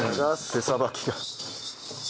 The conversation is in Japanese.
手さばきが。